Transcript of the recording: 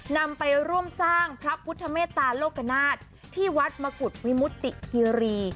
นำไปร่วมสร้างพระพุทธเมตตาโลกนาฏที่วัดมกุฎวิมุติคีรี